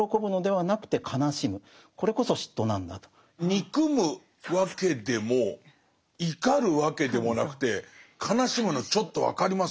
憎むわけでも怒るわけでもなくて悲しむのちょっと分かります。